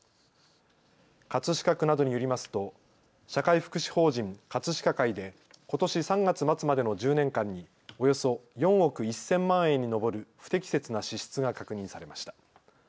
葛飾区などによりますと社会福祉法人葛飾会でことし３月末までの１０年間におよそ４億１０００万円に上る不適切な支出が確認されました。